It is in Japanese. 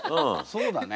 そうだね。